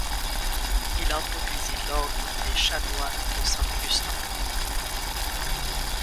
Il introduisit l'ordre des chanoines de Saint Augustin.